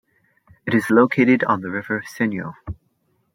It is located on the river Senio.